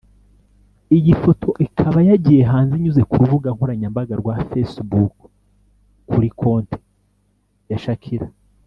Iyi foto ikaba yagiye hanze inyuze ku rubuga nkoranyambaga rwa facebook kuri konti ya Shakira